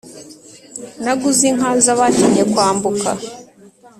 Naguze inka z' abatinye kwambuka !